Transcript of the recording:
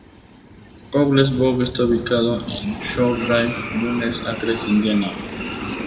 Cowles Bog está ubicado en Shore Drive, Dune Acres, Indiana.